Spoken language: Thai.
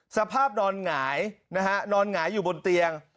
สภาพนอนหงายนะฮะนอนหงายอยู่บนเตียง